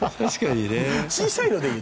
小さいのでいい。